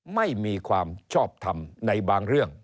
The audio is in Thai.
ไม่มีความชอบทำในบางเรื่อง